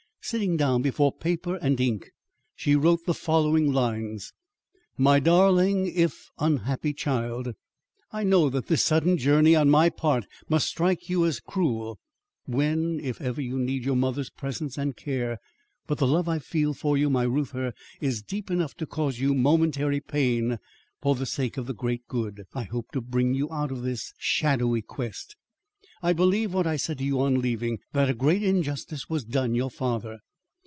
Sitting down before paper and ink she wrote the following lines: My Darling if Unhappy Child: I know that this sudden journey on my part must strike you as cruel, when, if ever, you need your mother's presence and care. But the love I feel for you, my Reuther, is deep enough to cause you momentary pain for the sake of the great good I hope to bring you out of this shadowy quest. I believe, what I said to you on leaving, that a great injustice was done your father.